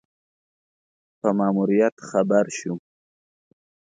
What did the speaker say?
په ماموریت خبر شو.